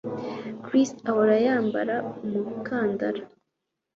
Chris ahora yambara umukandara